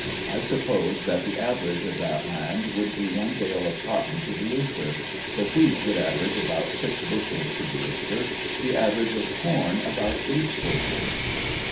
1 suppose that the average of that land would bo one bale of cotton to the acre ; the wheat would average about six bushels to the acre ; the average of corn about eight bushels.